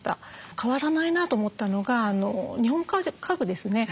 変わらないなと思ったのが日本家具ですね。